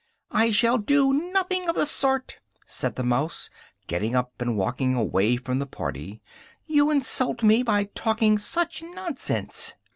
"I shall do nothing of the sort!" said the mouse, getting up and walking away from the party, "you insult me by talking such nonsense!"